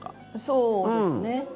そうですね。